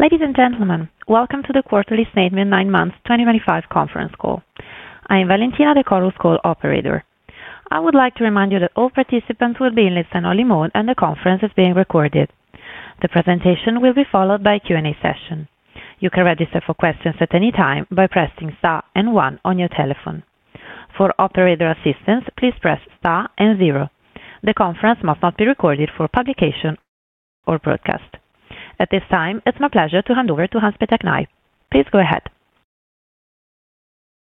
Ladies and gentlemen, welcome to the Quarterly Statement, 9 Months 2025 conference call. I am Valentina, the call's call operator. I would like to remind you that all participants will be in listen-only mode, and the conference is being recorded. The presentation will be followed by a Q&A session. You can register for questions at any time by pressing star and one on your telephone. For operator assistance, please press star and zero. The conference must not be recorded for publication or broadcast. At this time, it's my pleasure to hand over to Hans-Peter Kneip. Please go ahead.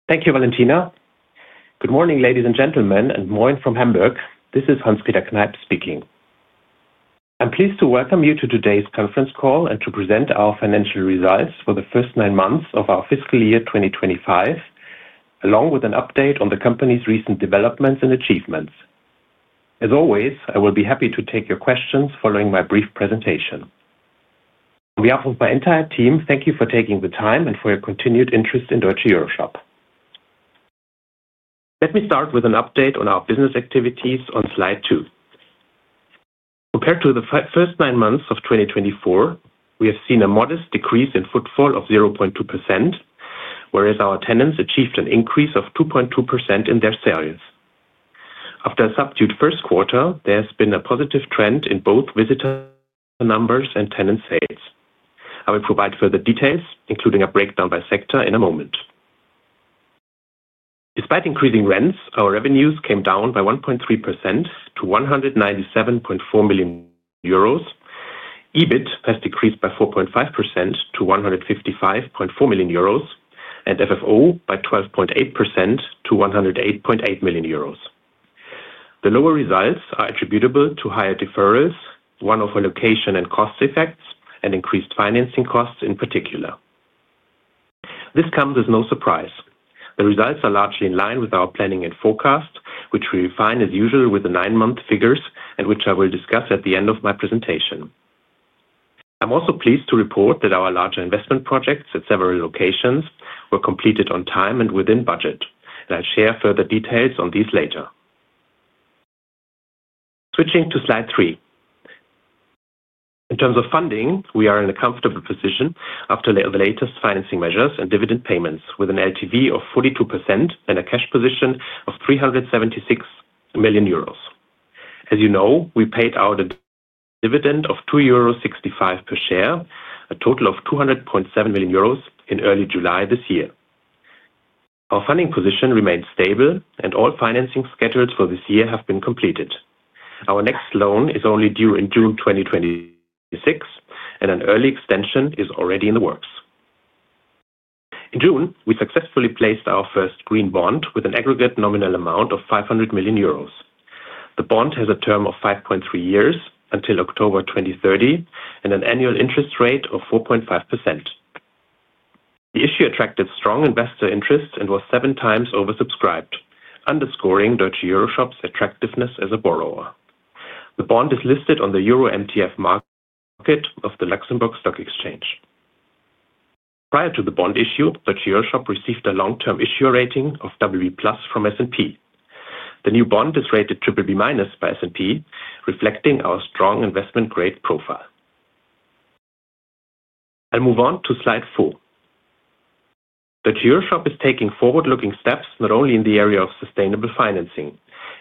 Thank you, Valentina. Good morning, ladies and gentlemen, and moin from Hamburg. This is Hans-Peter Kneip speaking. I'm pleased to welcome you to today's conference call and to present our financial results for the first nine months of our fiscal year 2025, along with an update on the company's recent developments and achievements. As always, I will be happy to take your questions following my brief presentation. On behalf of my entire team, thank you for taking the time and for your continued interest in Deutsche EuroShop. Let me start with an update on our business activities on slide two. Compared to the first nine months of 2024, we have seen a modest decrease in footfall of 0.2%, whereas our tenants achieved an increase of 2.2% in their sales. After a subdued first quarter, there has been a positive trend in both visitor numbers and tenant sales. I will provide further details, including a breakdown by sector, in a moment. Despite increasing rents, our revenues came down by 1.3% to 197.4 million euros. EBIT has decreased by 4.5% to 155.4 million euros, and FFO by 12.8% to 108.8 million euros. The lower results are attributable to higher deferrals, one-off allocation and cost effects, and increased financing costs in particular. This comes as no surprise. The results are largely in line with our planning and forecast, which we refine as usual with the nine-month figures and which I will discuss at the end of my presentation. I'm also pleased to report that our larger investment projects at several locations were completed on time and within budget, and I'll share further details on these later. Switching to slide three. In terms of funding, we are in a comfortable position after the latest financing measures and dividend payments, with an LTV of 42% and a cash position of 376 million euros. As you know, we paid out a dividend of 2.65 euros per share, a total of 200.7 million euros in early July this year. Our funding position remains stable, and all financing scheduled for this year have been completed. Our next loan is only due in June 2026, and an early extension is already in the works. In June, we successfully placed our first green bond with an aggregate nominal amount of 500 million euros. The bond has a term of 5.3 years until October 2030 and an annual interest rate of 4.5%. The issue attracted strong investor interest and was seven times oversubscribed, underscoring Deutsche EuroShop's attractiveness as a borrower. The bond is listed on the Euro MTF market of the Luxembourg Stock Exchange. Prior to the bond issue, Deutsche EuroShop received a long-term issuer rating of WB plus from S&P. The new bond is rated WB minus by S&P, reflecting our strong investment-grade profile. I'll move on to slide four. Deutsche EuroShop is taking forward-looking steps not only in the area of sustainable financing.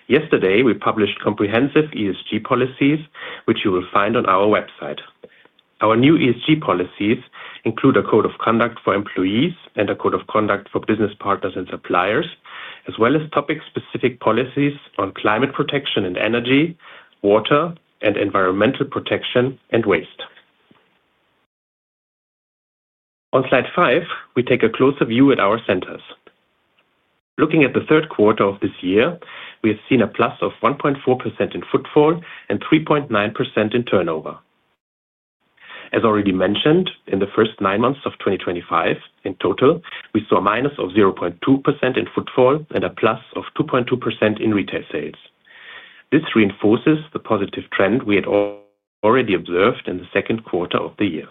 Yesterday, we published comprehensive ESG policies, which you will find on our website. Our new ESG policies include a code of conduct for employees and a code of conduct for business partners and suppliers, as well as topic-specific policies on climate protection and energy, water, and environmental protection and waste. On slide five, we take a closer view at our centers. Looking at the third quarter of this year, we have seen a plus of 1.4% in footfall and 3.9% in turnover. As already mentioned, in the first nine months of 2025, in total, we saw a minus of 0.2% in footfall and a plus of 2.2% in retail sales. This reinforces the positive trend we had already observed in the second quarter of the year.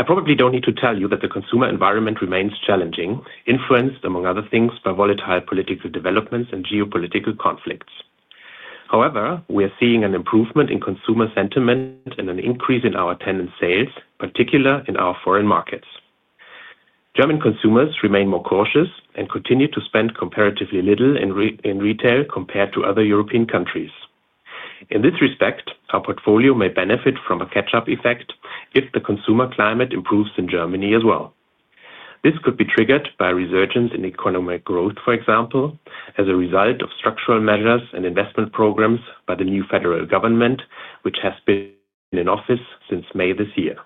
I probably don't need to tell you that the consumer environment remains challenging, influenced, among other things, by volatile political developments and geopolitical conflicts. However, we are seeing an improvement in consumer sentiment and an increase in our tenant sales, particularly in our foreign markets. German consumers remain more cautious and continue to spend comparatively little in retail compared to other European countries. In this respect, our portfolio may benefit from a catch-up effect if the consumer climate improves in Germany as well. This could be triggered by resurgence in economic growth, for example, as a result of structural measures and investment programs by the new federal government, which has been in office since May this year.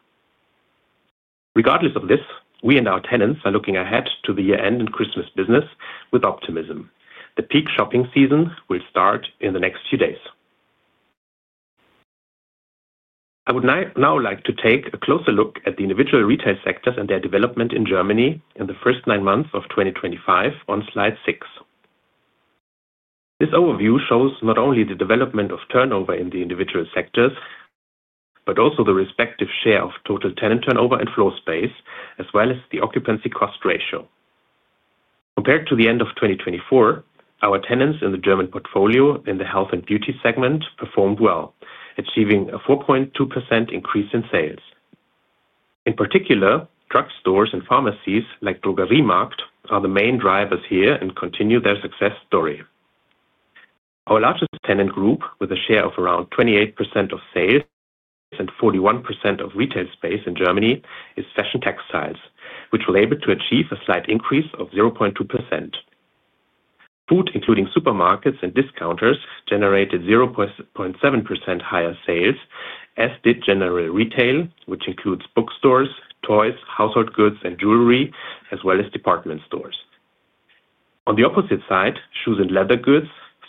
Regardless of this, we and our tenants are looking ahead to the year-end and Christmas business with optimism. The peak shopping season will start in the next few days. I would now like to take a closer look at the individual retail sectors and their development in Germany in the first nine months of 2025 on slide six. This overview shows not only the development of turnover in the individual sectors but also the respective share of total tenant turnover and floor space, as well as the occupancy cost ratio. Compared to the end of 2024, our tenants in the German portfolio in the health and beauty segment performed well, achieving a 4.2% increase in sales. In particular, drugstores and pharmacies like dm-drogerie markt are the main drivers here and continue their success story. Our largest tenant group, with a share of around 28% of sales and 41% of retail space in Germany, is fashion textiles, which were able to achieve a slight increase of 0.2%. Food, including supermarkets and discounters, generated 0.7% higher sales, as did general retail, which includes bookstores, toys, household goods, and jewelry, as well as department stores. On the opposite side, shoes and leather goods,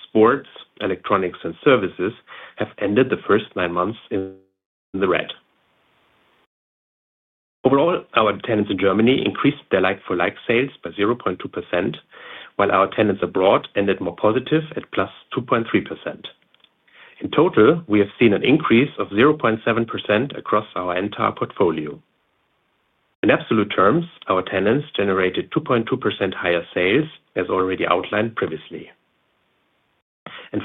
sports, electronics, and services have ended the first nine months in the red. Overall, our tenants in Germany increased their like-for-like sales by 0.2%, while our tenants abroad ended more positive at +2.3%. In total, we have seen an increase of 0.7% across our entire portfolio. In absolute terms, our tenants generated 2.2% higher sales, as already outlined previously.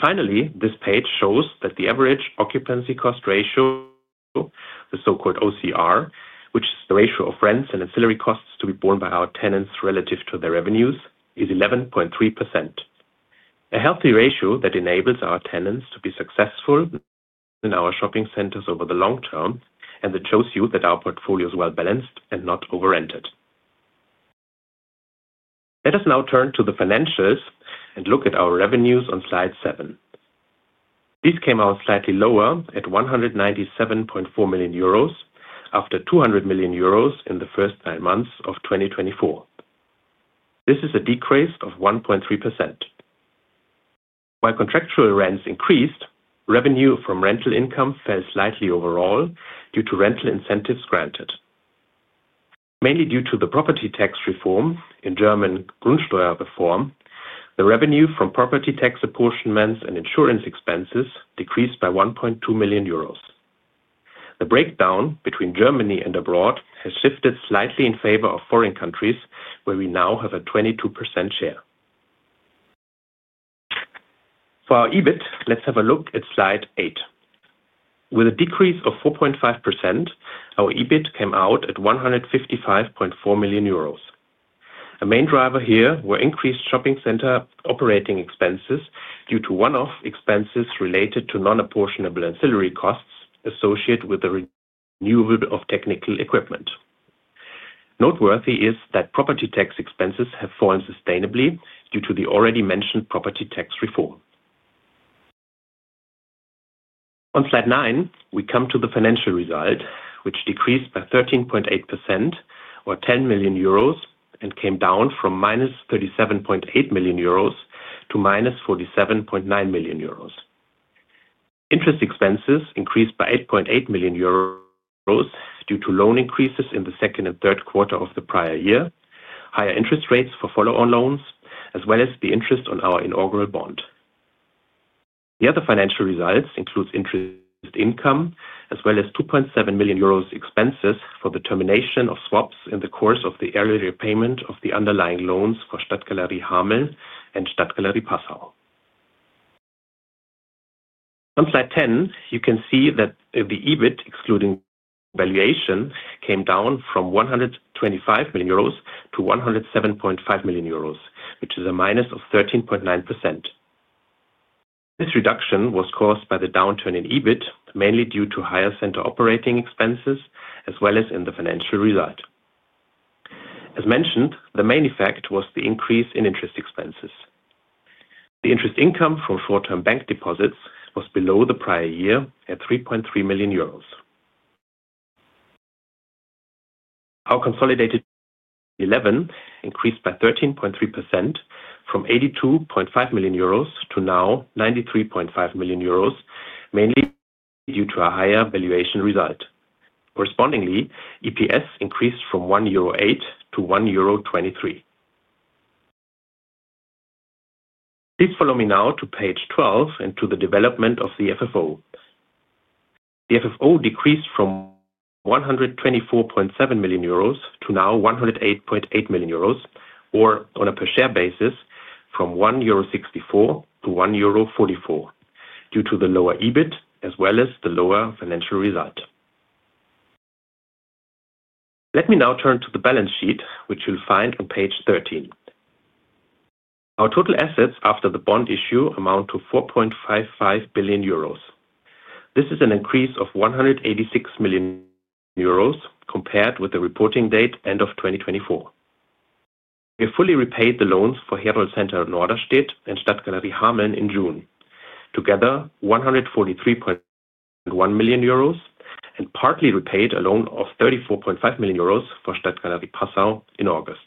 Finally, this page shows that the average occupancy cost ratio, the so-called OCR, which is the ratio of rents and ancillary costs to be borne by our tenants relative to their revenues, is 11.3%. A healthy ratio that enables our tenants to be successful in our shopping centers over the long term, and it shows you that our portfolio is well-balanced and not over-rented. Let us now turn to the financials and look at our revenues on slide seven. These came out slightly lower at 197.4 million euros after 200 million euros in the first nine months of 2024. This is a decrease of 1.3%. While contractual rents increased, revenue from rental income fell slightly overall due to rental incentives granted. Mainly due to the property tax reform, in German Grundsteuer-Reform, the revenue from property tax apportionments and insurance expenses decreased by 1.2 million euros. The breakdown between Germany and abroad has shifted slightly in favor of foreign countries, where we now have a 22% share. For our EBIT, let's have a look at slide eight. With a decrease of 4.5%, our EBIT came out at 155.4 million euros. The main driver here were increased shopping center operating expenses due to one-off expenses related to non-apportionable ancillary costs associated with the renewal of technical equipment. Noteworthy is that property tax expenses have fallen sustainably due to the already mentioned Grundsteuer-Reform. On slide nine, we come to the financial result, which decreased by 13.8% or 10 million euros and came down from -37.8 million euros to -47.9 million euros. Interest expenses increased by 8.8 million euros due to loan increases in the second and third quarter of the prior year, higher interest rates for follow-on loans, as well as the interest on our inaugural bond. The other financial results include interest income, as well as 2.7 million euros expenses for the termination of swaps in the course of the early repayment of the underlying loans for Stadtgalerie Hameln and Stadtgalerie Passau. On slide ten, you can see that the EBIT, excluding valuation, came down from 125 million euros to 107.5 million euros, which is a minus of 13.9%. This reduction was caused by the downturn in EBIT, mainly due to higher center operating expenses, as well as in the financial result. As mentioned, the main effect was the increase in interest expenses. The interest income from short-term bank deposits was below the prior year at 3.3 million euros. Our consolidated 11 increased by 13.3% from 82.5 million euros to now 93.5 million euros, mainly due to a higher valuation result. Correspondingly, EPS increased from 1.08 to 1.23. Please follow me now to page 12 and to the development of the FFO. The FFO decreased from 124.7 million euros to now 108.8 million euros, or on a per-share basis, from 1.64 to 1.44 due to the lower EBIT, as well as the lower financial result. Let me now turn to the balance sheet, which you'll find on page 13. Our total assets after the bond issue amount to 4.55 billion euros. This is an increase of 186 million euros compared with the reporting date end of 2024. We have fully repaid the loans for Herold Center in Norderstedt and Stadtgalerie Hameln in June, together 143.1 million euros, and partly repaid a loan of 34.5 million euros for Stadtgalerie Passau in August.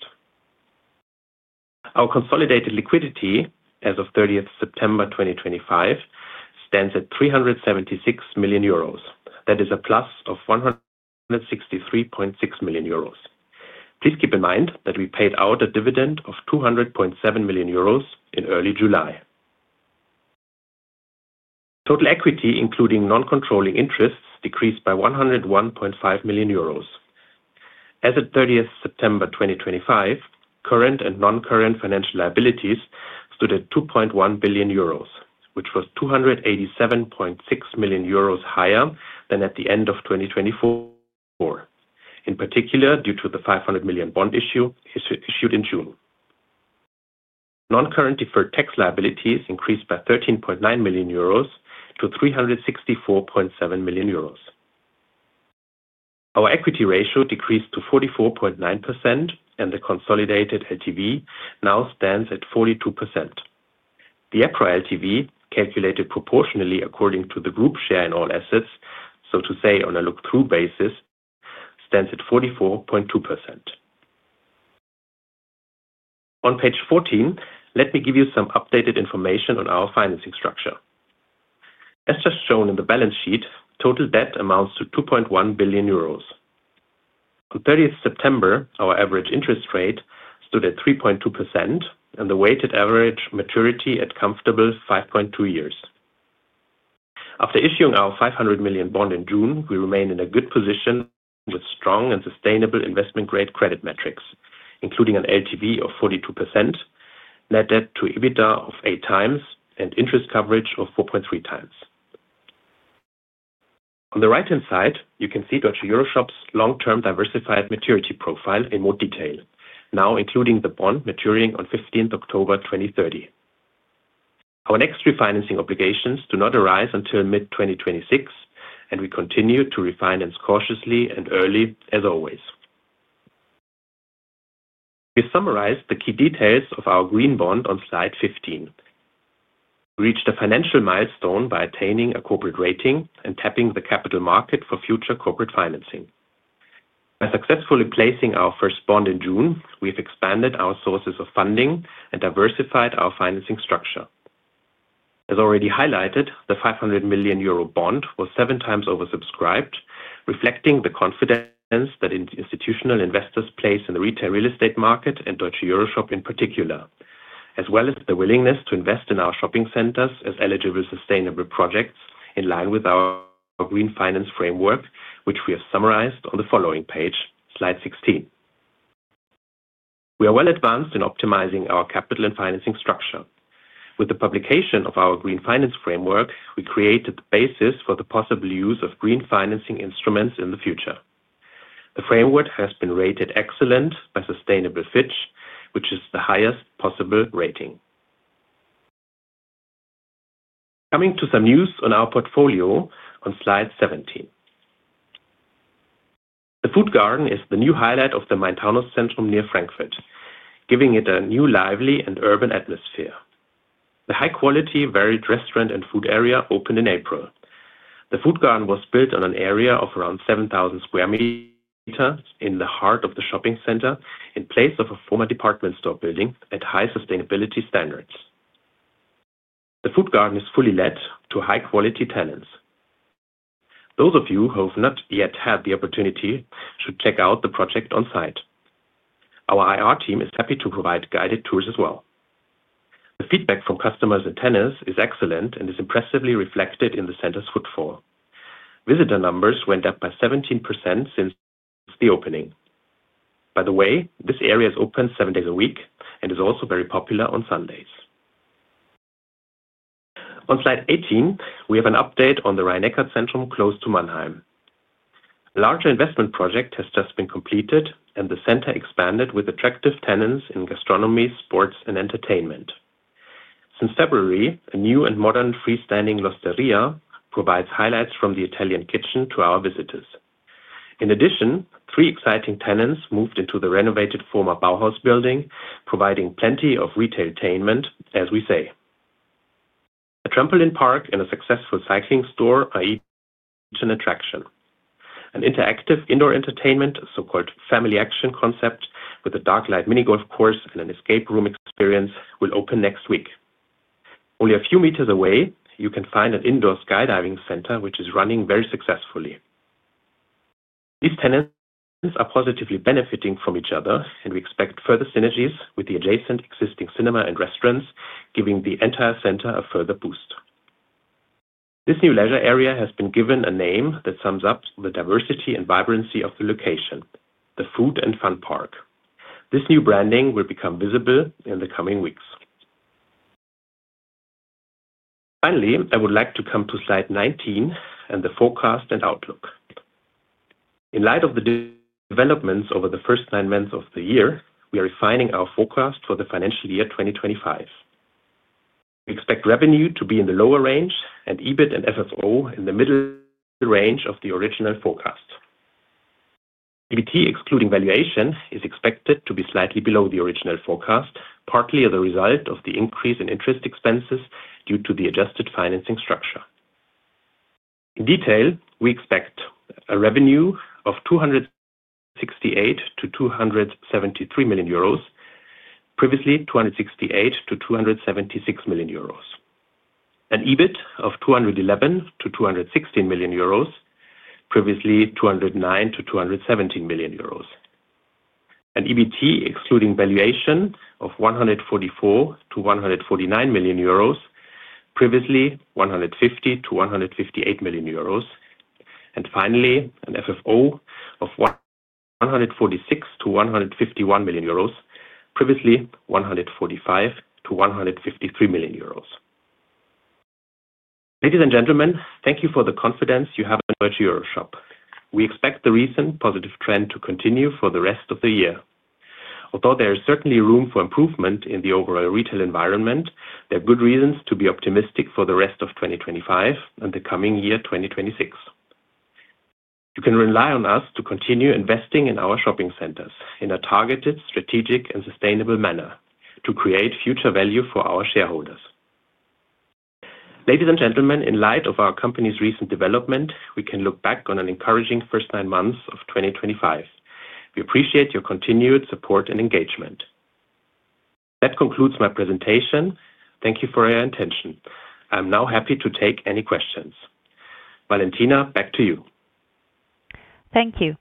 Our consolidated liquidity as of 30 September 2025 stands at 376 million euros. That is a plus of 163.6 million euros. Please keep in mind that we paid out a dividend of 200.7 million euros in early July. Total equity, including non-controlling interests, decreased by 101.5 million euros. As of 30 September 2025, current and non-current financial liabilities stood at 2.1 billion euros, which was 287.6 million euros higher than at the end of 2024, in particular due to the 500 million bond issue issued in June. Non-current deferred tax liabilities increased by 13.9 million euros to 364.7 million euros. Our equity ratio decreased to 44.9%, and the consolidated LTV now stands at 42%. The EPRA LTV, calculated proportionally according to the group share in all assets, so to say on a look-through basis, stands at 44.2%. On page 14, let me give you some updated information on our financing structure. As just shown in the balance sheet, total debt amounts to 2.1 billion euros. On 30 September, our average interest rate stood at 3.2%, and the weighted average maturity at comfortable 5.2 years. After issuing our 500 million bond in June, we remain in a good position with strong and sustainable investment-grade credit metrics, including an LTV of 42%, net debt to EBITDA of eight times, and interest coverage of 4.3 times. On the right-hand side, you can see Deutsche EuroShop's long-term diversified maturity profile in more detail, now including the bond maturing on 15 October 2030. Our next refinancing obligations do not arise until mid-2026, and we continue to refinance cautiously and early as always. We summarize the key details of our green bond on slide 15. We reached a financial milestone by attaining a corporate rating and tapping the capital market for future corporate financing. By successfully placing our first bond in June, we have expanded our sources of funding and diversified our financing structure. As already highlighted, the 500 million euro bond was seven times oversubscribed, reflecting the confidence that institutional investors place in the retail real estate market and Deutsche EuroShop in particular, as well as the willingness to invest in our shopping centers as eligible sustainable projects in line with our green finance framework, which we have summarized on the following page, slide 16. We are well advanced in optimizing our capital and financing structure. With the publication of our green finance framework, we created the basis for the possible use of green financing instruments in the future. The framework has been rated excellent by Sustainable Fitch, which is the highest possible rating. Coming to some news on our portfolio on slide 17. The Food Garden is the new highlight of the Main-Taunus Zentrum near Frankfurt, giving it a new lively and urban atmosphere. The high-quality varied restaurant and food area opened in April. The Food Garden was built on an area of around 7,000 sq m in the heart of the shopping center in place of a former department store building at high sustainability standards. The Food Garden is fully let to high-quality tenants. Those of you who have not yet had the opportunity should check out the project on site. Our IR team is happy to provide guided tours as well. The feedback from customers and tenants is excellent and is impressively reflected in the center's footfall. Visitor numbers went up by 17% since the opening. By the way, this area is open seven days a week and is also very popular on Sundays. On slide 18, we have an update on the Rheinecker Zentrum close to Mannheim. A larger investment project has just been completed, and the center expanded with attractive tenants in gastronomy, sports, and entertainment. Since February, a new and modern freestanding Losteria provides highlights from the Italian kitchen to our visitors. In addition, three exciting tenants moved into the renovated former Bauhaus building, providing plenty of retail attainment, as we say. A trampoline park and a successful cycling store are each an attraction. An interactive indoor entertainment, so-called Family Action concept, with a dark light mini-golf course and an escape room experience will open next week. Only a few meters away, you can find an indoor skydiving center, which is running very successfully. These tenants are positively benefiting from each other, and we expect further synergies with the adjacent existing cinema and restaurants, giving the entire center a further boost. This new leisure area has been given a name that sums up the diversity and vibrancy of the location, the Food & Fun Park. This new branding will become visible in the coming weeks. Finally, I would like to come to slide 19 and the forecast and outlook. In light of the developments over the first nine months of the year, we are refining our forecast for the financial year 2025. We expect revenue to be in the lower range and EBIT and FFO in the middle range of the original forecast. EBIT excluding valuation is expected to be slightly below the original forecast, partly as a result of the increase in interest expenses due to the adjusted financing structure. In detail, we expect a revenue of 268 million-273 million euros, previously 268 million-276 million euros. An EBIT of 211 million-216 million euros, previously 209 million-217 million euros. An EBIT excluding valuation of 144 million-149 million euros, previously 150 million-158 million euros. An FFO of 146 million-151 million euros, previously 145 million-153 million euros. Ladies and gentlemen, thank you for the confidence you have in Deutsche EuroShop. We expect the recent positive trend to continue for the rest of the year. Although there is certainly room for improvement in the overall retail environment, there are good reasons to be optimistic for the rest of 2025 and the coming year 2026. You can rely on us to continue investing in our shopping centers in a targeted, strategic, and sustainable manner to create future value for our shareholders. Ladies and gentlemen, in light of our company's recent development, we can look back on an encouraging first nine months of 2025. We appreciate your continued support and engagement. That concludes my presentation. Thank you for your attention. I'm now happy to take any questions. Valentina, back to you. Thank you.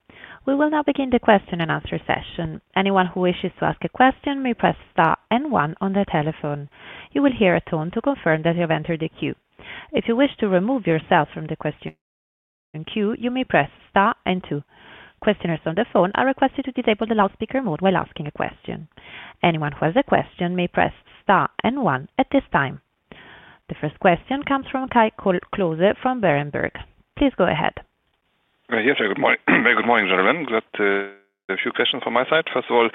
We will now begin the question-and-answer session. Anyone who wishes to ask a question may press star and one on their telephone. You will hear a tone to confirm that you have entered the queue. If you wish to remove yourself from the question queue, you may press star and two. Questioners on the phone are requested to disable the loudspeaker mode while asking a question. Anyone who has a question may press star and one at this time. The first question comes from Kai Klose from Berenberg. Please go ahead. Yes, very good morning, gentlemen. Got a few questions from my side. First of all,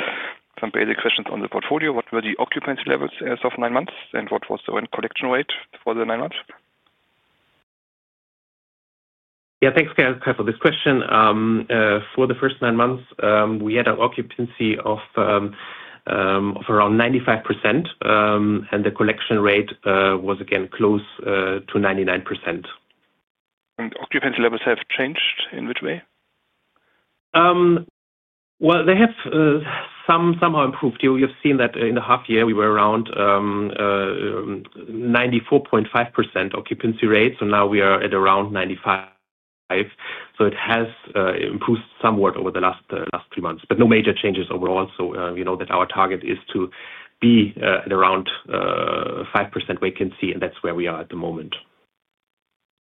some basic questions on the portfolio. What were the occupancy levels as of nine months, and what was the rent collection rate for the nine months? Yeah, thanks, Kai, for this question. For the first nine months, we had an occupancy of around 95%, and the collection rate was, again, close to 99%. Occupancy levels have changed in which way? They have somehow improved. You have seen that in the half year, we were around 94.5% occupancy rate, so now we are at around 95%. It has improved somewhat over the last three months, but no major changes overall. We know that our target is to be at around 5% vacancy, and that's where we are at the moment.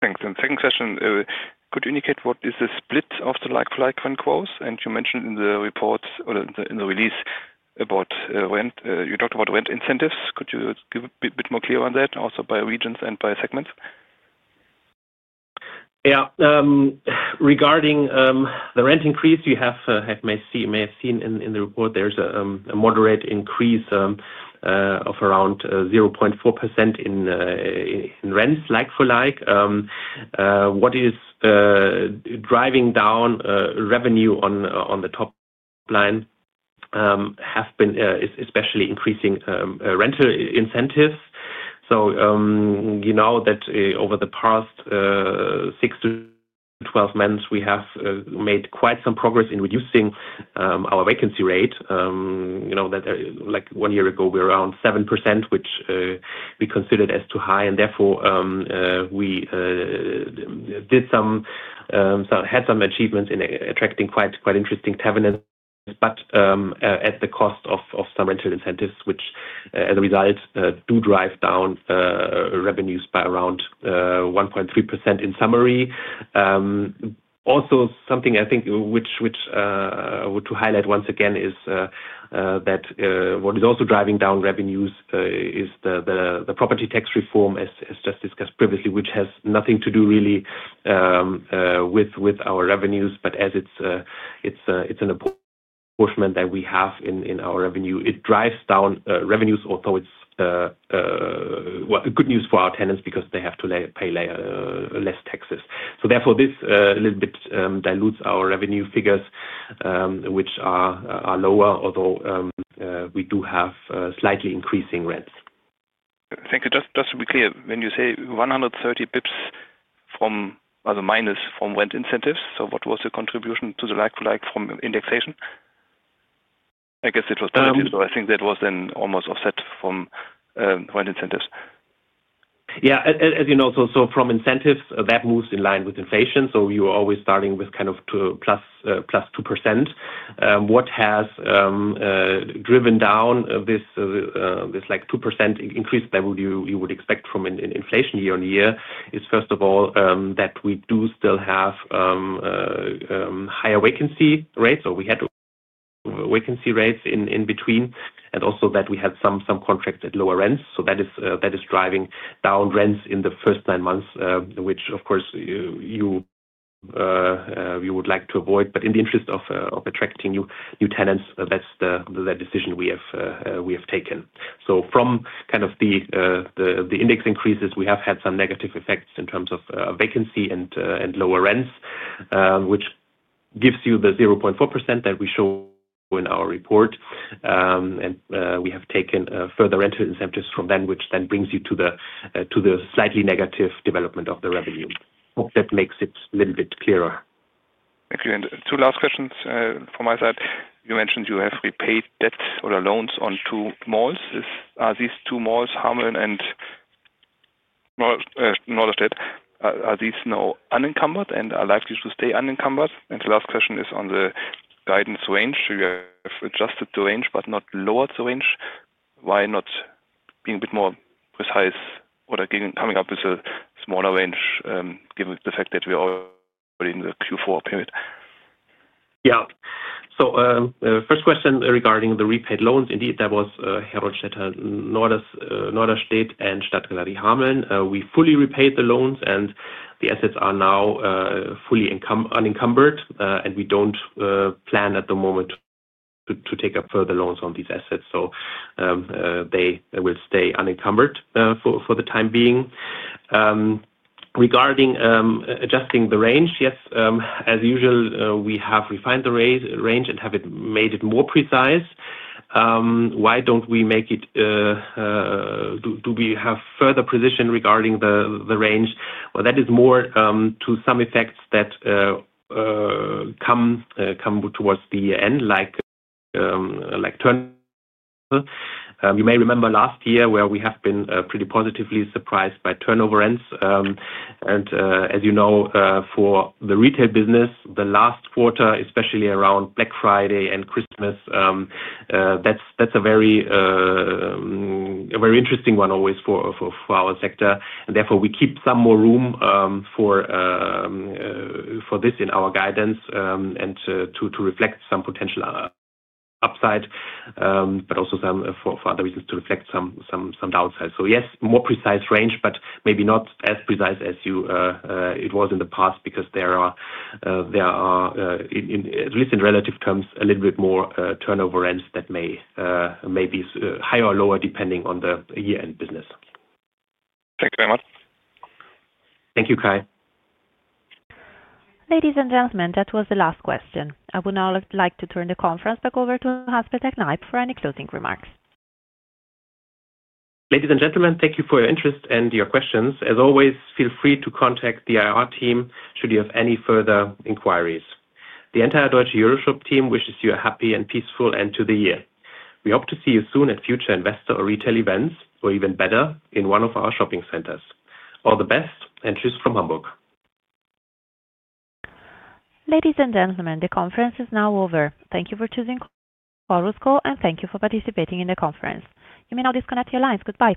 Thanks. Second question, could you indicate what is the split of the like-for-like when closed? You mentioned in the report or in the release about rent, you talked about rent incentives. Could you give a bit more clear on that, also by regions and by segments? Yeah. Regarding the rent increase, you may have seen in the report, there's a moderate increase of around 0.4% in rents, like-for-like. What is driving down revenue on the top line has been especially increasing rental incentives. You know that over the past 6 to 12 months, we have made quite some progress in reducing our vacancy rate. Like one year ago, we were around 7%, which we considered as too high, and therefore we had some achievements in attracting quite interesting taverns, but at the cost of some rental incentives, which, as a result, do drive down revenues by around 1.3% in summary. Also, something I think to highlight once again is that what is also driving down revenues is the property tax reform, as just discussed previously, which has nothing to do really with our revenues, but as it's an apportionment that we have in our revenue, it drives down revenues, although it's good news for our tenants because they have to pay less taxes. Therefore, this a little bit dilutes our revenue figures, which are lower, although we do have slightly increasing rents. Thank you. Just to be clear, when you say 130 basis points from, as a minus, from rent incentives, what was the contribution to the like-for-like from indexation? I guess it was positive, so I think that was then almost offset from rent incentives. Yeah. As you know, from incentives, that moves in line with inflation, so you are always starting with kind of plus 2%. What has driven down this 2% increase that you would expect from inflation year-on-year is, first of all, that we do still have higher vacancy rates. We had vacancy rates in between, and also that we had some contracts at lower rents. That is driving down rents in the first nine months, which, of course, you would like to avoid. In the interest of attracting new tenants, that's the decision we have taken. From kind of the index increases, we have had some negative effects in terms of vacancy and lower rents, which gives you the 0.4% that we show in our report. We have taken further rental incentives from then, which then brings you to the slightly negative development of the revenue. Hope that makes it a little bit clearer. Thank you. Two last questions from my side. You mentioned you have repaid debts or loans on two malls. Are these two malls, Hameln and Norderstedt, now unencumbered and are likely to stay unencumbered? The last question is on the guidance range. You have adjusted the range, but not lowered the range. Why not be a bit more precise or come up with a smaller range, given the fact that we are already in the Q4 period? Yeah. First question regarding the repaid loans. Indeed, that was Herold Center, Norderstedt, and Stadtgalerie Hameln. We fully repaid the loans, and the assets are now fully unencumbered, and we do not plan at the moment to take up further loans on these assets. They will stay unencumbered for the time being. Regarding adjusting the range, yes, as usual, we have refined the range and have made it more precise. Do we have further precision regarding the range? That is more to some effects that come towards the end, like turnover. You may remember last year where we have been pretty positively surprised by turnover rents. As you know, for the retail business, the last quarter, especially around Black Friday and Christmas, that is a very interesting one always for our sector. Therefore, we keep some more room for this in our guidance and to reflect some potential upside, but also for other reasons to reflect some downside. Yes, more precise range, but maybe not as precise as it was in the past because there are, at least in relative terms, a little bit more turnover rents that may be higher or lower depending on the year-end business. Thank you very much. Thank you, Kai. Ladies and gentlemen, that was the last question. I would now like to turn the conference back over to Hans-Peter Kneip for any closing remarks. Ladies and gentlemen, thank you for your interest and your questions. As always, feel free to contact the IR team should you have any further inquiries. The entire Deutsche EuroShop team wishes you a happy and peaceful end to the year. We hope to see you soon at future investor or retail events, or even better, in one of our shopping centers. All the best and cheers from Hamburg. Ladies and gentlemen, the conference is now over. Thank you for choosing Deutsche EuroShop, and thank you for participating in the conference. You may now disconnect your lines. Goodbye.